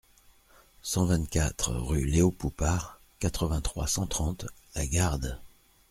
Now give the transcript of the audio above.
cent vingt-quatre rue Léo Poupart, quatre-vingt-trois, cent trente, La Garde